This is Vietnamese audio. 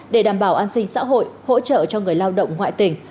để đảm bảo an sinh xã hội hỗ trợ cho người lao động ngoại tỉnh